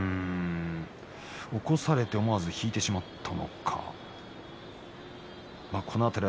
起こされて思わず引いてしまいました。